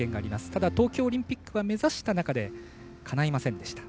ただ、東京オリンピックは目指した中でかないませんでした。